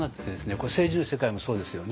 これ政治の世界もそうですよね。